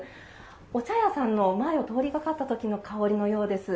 お茶屋さんの前を通りかかったときの香りのようです。